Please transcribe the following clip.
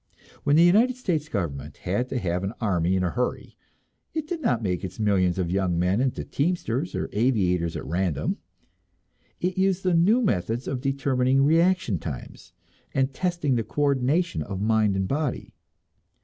When the United States government had to have an army in a hurry it did not make its millions of young men into teamsters or aviators at random. It used the new methods of determining reaction times, and testing the coordination of mind and body.